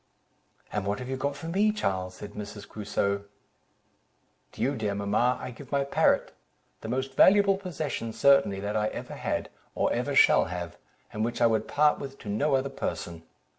"And what have you got for me, Charles?" said Mrs. Crusoe. "To you, dear mamma, I give my parrot, the most valuable possession certainly that I ever had, or ever shall have, and which I would part with to no other person.